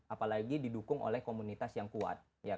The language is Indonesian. apalagi didukung oleh komunitas yang kuat